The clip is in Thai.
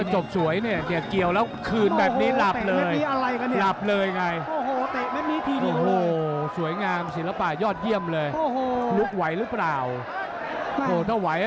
จบสวยเนี่ยเกี่ยวแล้วคืนแบบนี้หลับเลย